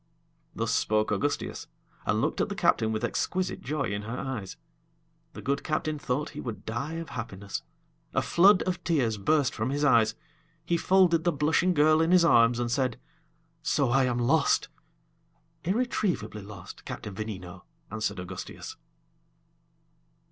Thus spoke Augustias, and looked at the captain with exquisite joy in her eyes. The good captain thought he would die of happiness; a flood of tears burst from his eyes; he folded the blushing girl in his arms, and said: "So I am lost?" "Irretrievably lost, Captain Veneno," answered Augustias.